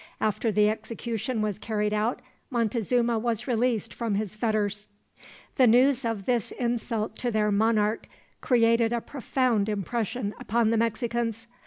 After the execution was carried out, Montezuma was released from his fetters. The news of this insult to their monarch created a profound impression upon the Mexicans.